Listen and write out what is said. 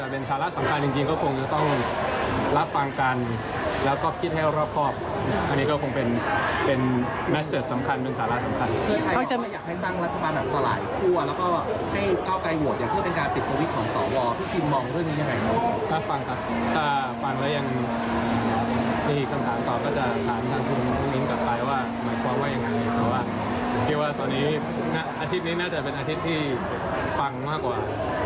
เพราะว่าตอนนี้อาทิตย์นี้น่าจะเป็นอาทิตย์ที่ฟังมากกว่า